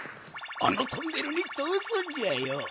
あのトンネルにとおすんじゃよ。